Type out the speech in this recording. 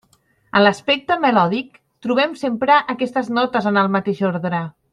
En l'aspecte melòdic, trobem sempre aquestes notes en el mateix ordre.